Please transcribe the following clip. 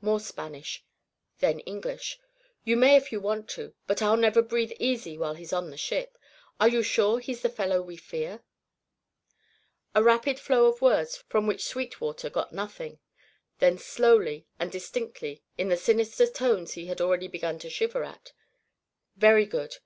More Spanish; then English: "You may if you want to, but I'll never breathe easy while he's on the ship. Are you sure he's the fellow we fear?" A rapid flow of words from which Sweetwater got nothing. Then slowly and distinctly in the sinister tones he had already begun to shiver at: "Very good.